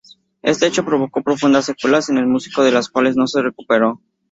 Este hecho provocó profundas secuelas en el músico de las cuales no se recuperó.